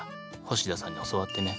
星田さんに教わってね。